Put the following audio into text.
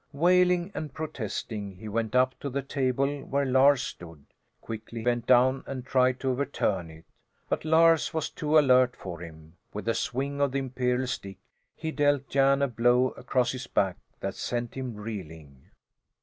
Wailing and protesting, he went up to the table where Lars stood, quickly bent down and tried to overturn it. But Lars was too alert for him; with a swing of the imperial stick, he dealt Jan a blow across his back that sent him reeling.